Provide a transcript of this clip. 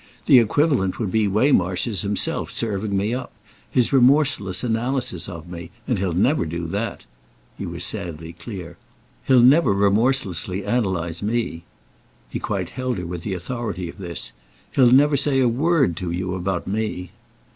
The equivalent would be Waymarsh's himself serving me up—his remorseless analysis of me. And he'll never do that"—he was sadly clear. "He'll never remorselessly analyse me." He quite held her with the authority of this. "He'll never say a word to you about me."